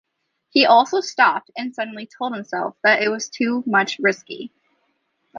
He also stopped and, suddenly, told himself that it was too much risky.